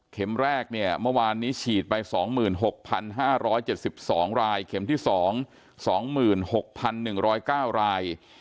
เข็มแรกเนี่ยเมื่อวานนี้ฉีดไปสองหมื่นหกพันห้าร้อยเจ็ดสิบสองรายเข็มที่สองสองหมื่นหกพันหนึ่งร้อยเก้าราย